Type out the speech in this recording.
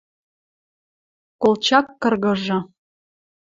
Колчак кыргыжы.